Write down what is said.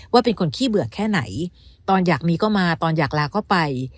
ว่าเป็นคนขี้เบื่อแค่ไหนตอนอยากมีก็มาตอนอยากลาก็ไป